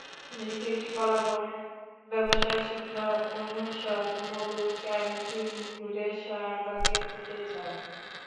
মিছিলটি কলাভবন, ব্যবসায় শিক্ষা অনুষদ, মধুর ক্যানটিন ঘুরে শাহবাগের দিকে যায়।